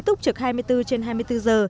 túc trực hai mươi bốn trên hai mươi bốn giờ